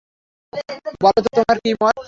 বলো তো, তোমার কী মত?